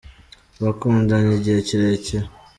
bakundanye igihe kirekire.